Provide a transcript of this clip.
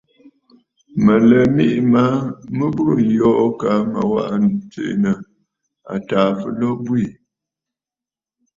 Mə̀ lɛ miʼì ma mɨ burə̀ yoo kaa mə waʼà tsiʼì àtàà fɨlo bwiî.